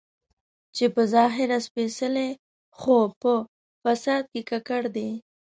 چې په ظاهره سپېڅلي خو په فساد کې ککړ دي.